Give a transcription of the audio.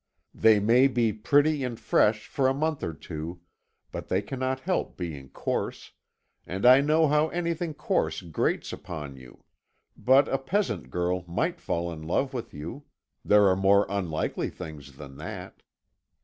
They may be pretty and fresh for a month or two, but they cannot help being coarse, and I know how anything coarse grates upon you. But a peasant girl might fall in love with you there are more unlikely things than that.